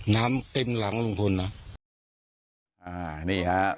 น้ำเต็มหลังลุงพนธ์